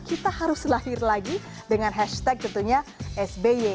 kita harus lahir lagi dengan hashtag tentunya sby